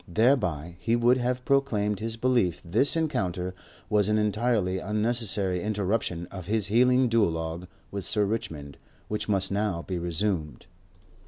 Thereby he would have proclaimed his belief this encounter was an entirely unnecessary interruption of his healing duologue with Sir Richmond, which must now be resumed.